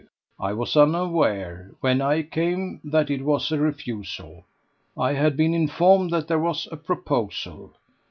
I was unaware, when I came, that it was a refusal. I had been informed that there was a proposal.